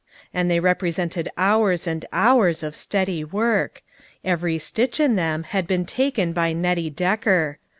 And they represented hours and hours of steady work. Every stitch in them had been taken by Nettie Decker.